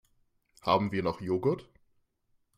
Haben wir noch Joghurt?